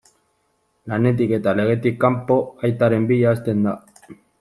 Lanetik eta legetik kanpo, aitaren bila hasten da.